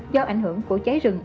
do ảnh hưởng của cháy rừng